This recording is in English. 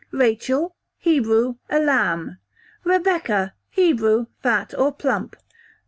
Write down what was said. Rachel, Hebrew, a lamb. Rebecca, Hebrew, fat or plump.